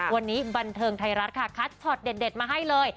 วันนี้บันเทิงไทยรัฐค่ะคัดช็อตเด็ดมาให้เลย